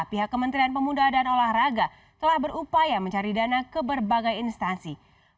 pihak kementerian pemuda dan olahraga telah berupaya mencari dana ke berbagai instansi